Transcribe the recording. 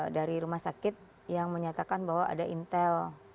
dari rumah sakit yang menyatakan bahwa ada intel